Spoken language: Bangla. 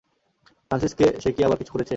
ফ্রানসিস সে কি আবার কিছু করেছে?